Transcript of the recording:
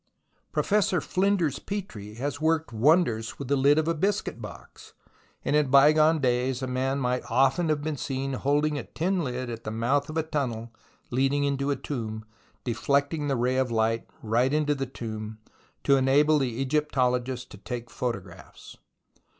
Professor Flinders Petrie has worked wonders with the lid of a biscuit box, and in bygone days a man might often have been seen holding a tin Hd at the mouth of a tunnel leading into a tomb, deflecting the ray of light right into the tomb, to enable the Egyptologist to take photographs.